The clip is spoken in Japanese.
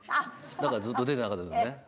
だからずっと出なかったんですね。